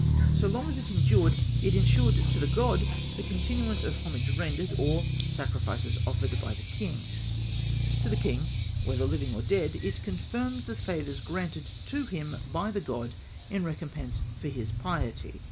So long as it endured, it ensured to the god the continuance of homage rendered, or sacrifices offered, by the king. To the king, whether living or dead, it confirmed the favours granted to him by the god in recompense for his piety.